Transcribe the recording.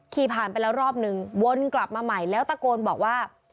ขี่ผ่านไปแล้วรอบนึงวนกลับมาใหม่แล้วตะโกนบอกว่า